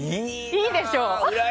いいでしょ。